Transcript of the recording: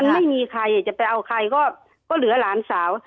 ไม่มีใครจะไปเอาใครก็เหลือหลานสาว